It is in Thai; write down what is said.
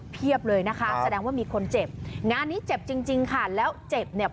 เพียบเลยนะคะแสดงว่ามีคนเจ็บงานนี้เจ็บจริงจริงค่ะแล้วเจ็บเนี่ย